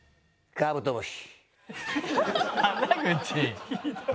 カブトムシ。